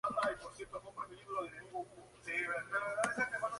Fue protagonizada por Hilda Vera y Luis Salazar, y antagonizada por Elisa Parejo.